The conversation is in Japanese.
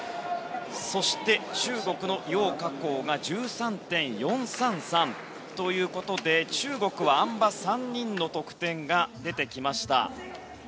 そして中国のヨウ・カコウが１３．４３３ということで中国は、あん馬３人の得点が出てきました。